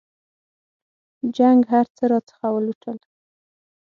جنګ هرڅه راڅخه ولوټل.